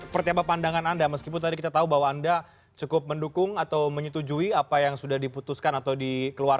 pengaturan nah mengapa diatur